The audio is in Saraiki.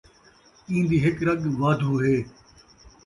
ایندی ہک رڳ وادھو ہے